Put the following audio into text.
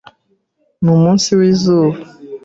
Numunsi wizuba.